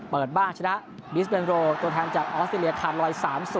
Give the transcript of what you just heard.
เปิดบ้านชนะบิสเบนโรตัวแทนจากออสเตรเลียขาดลอย๓๐